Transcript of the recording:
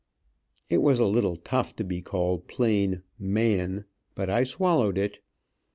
It was a little tough to be called plain "man," but I swallowed it.